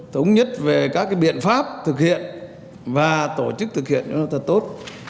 thống nhất về các biện pháp thực hiện và tổ chức thực hiện cho nó thật tốt